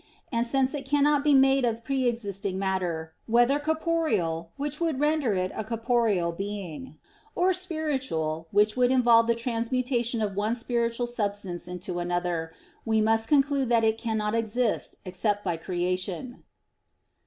And since it cannot be made of pre existing matter whether corporeal, which would render it a corporeal being or spiritual, which would involve the transmutation of one spiritual substance into another, we must conclude that it cannot exist except by creation.